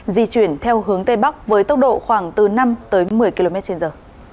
di chuyển theo hướng tây bắc với tốc độ khoảng từ năm tới một mươi km trên giờ